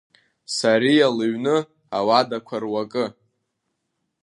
Сариа лыҩны ауадақәа руакы.